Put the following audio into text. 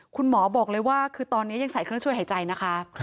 คุณหมอบอกเลยว่าคือตอนนี้ยังใส่เครื่องช่วยหายใจนะคะ